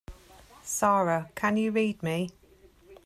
Sara can you read me?